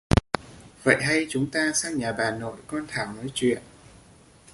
vậy hay chúng ta sang nhà bà nội con thảo nói chuyện